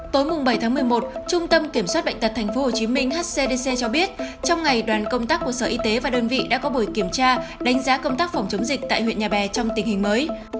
tối bảy tháng một mươi một trung tâm kiểm soát bệnh tật tp hcm hcdc cho biết trong ngày đoàn công tác của sở y tế và đơn vị đã có buổi kiểm tra đánh giá công tác phòng chống dịch tại huyện nhà bè trong tình hình mới